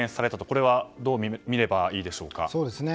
これはどうみればいいでしょうか。